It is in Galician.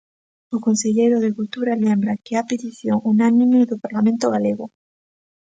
O conselleiro de Cultura lembra que é a petición unánime do Parlamento galego.